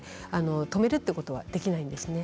止めるということはできないです。